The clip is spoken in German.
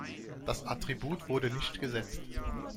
Das Attribut wurde nicht gesetzt.